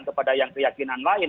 kepada yang keyakinan lain